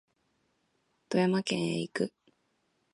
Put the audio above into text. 富山県へ行く